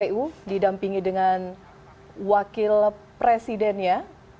kpu didampingi dengan wakil presidennya